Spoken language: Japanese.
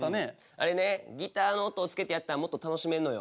あれねギターの音をつけてやったらもっと楽しめるのよ。